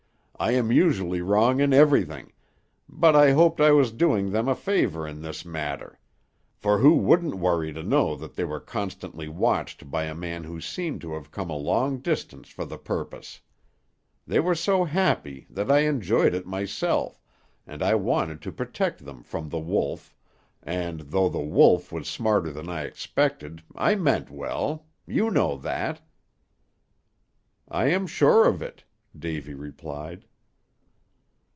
"I am usually wrong in everything, but I hoped I was doing them a favor in this matter; for who wouldn't worry to know that they were constantly watched by a man who seemed to have come a long distance for the purpose? They were so happy that I enjoyed it myself, and I wanted to protect them from The Wolf, and though The Wolf was smarter than I expected, I meant well; you know that." "I am sure of it," Davy replied.